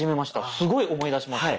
すごい思い出しました。